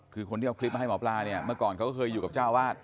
คือคนที่เอาคลิปมาให้หมอปลาเนี่ยเมื่อก่อนเขาก็เคยอยู่กับเจ้าวาด